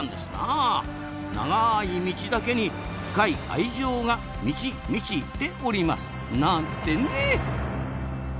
長い「道」だけに深い愛情が「満ち満ち」ております。なんてね！